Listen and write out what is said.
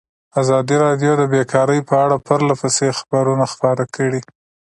ازادي راډیو د بیکاري په اړه پرله پسې خبرونه خپاره کړي.